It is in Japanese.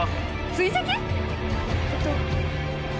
追跡⁉えっと。